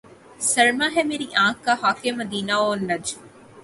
سرمہ ہے میری آنکھ کا خاک مدینہ و نجف